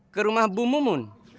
ke rumah bu mumun